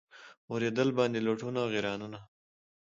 اورېدل باندي لوټونه غیرانونه